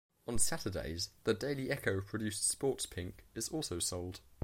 On Saturdays, the "Daily Echo" produced Sports Pink is also sold.